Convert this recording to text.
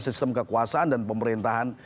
sistem kekuasaan dan pemerintahan